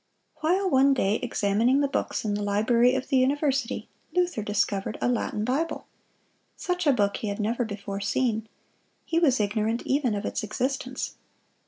(159) While one day examining the books in the library of the university, Luther discovered a Latin Bible. Such a book he had never before seen. He was ignorant even of its existence.